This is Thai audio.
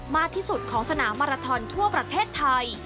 มากที่สุดของสนามมาราทอนทั่วประเทศไทย